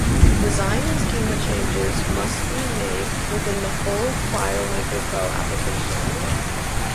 Design and schema changes must be made within the full FileMaker Pro application.